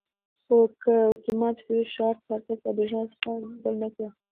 خو که اتومات فیوز شارټ سرکټ له برېښنا څخه ګل نه کړي.